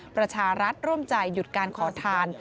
ประชารัฐร่วมใจหยุดการขอทาน